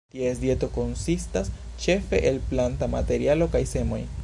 Ties dieto konsistas ĉefe el planta materialo kaj semoj.